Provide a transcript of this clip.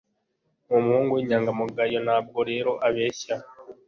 numuhungu winyangamugayo, ntabwo rero abeshya.